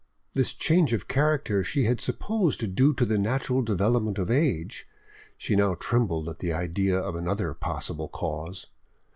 This change of character she had supposed due to the natural development of age, she now trembled at the idea of another possible cause.